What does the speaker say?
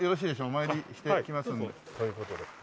お参りしてきますという事で。